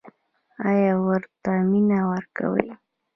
ایا ورته مینه ورکوئ؟